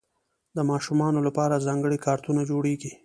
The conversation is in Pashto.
د ماشومانو لپاره ځانګړي کارتونونه جوړېږي.